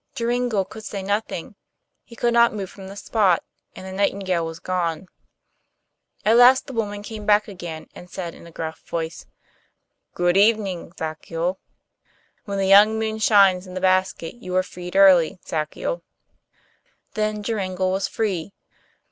Joringel could say nothing; he could not move from the spot, and the nightingale was gone. At last the woman came back again, and said in a gruff voice, 'Good evening, Zachiel; when the young moon shines in the basket, you are freed early, Zachiel.' Then Joringel was free.